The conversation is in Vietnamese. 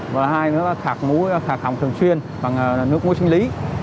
và hai nữa là khạc muối khạc hỏng thường xuyên bằng nước muối sinh lý